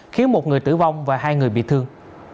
khiến một người tử vong và hai người bị thương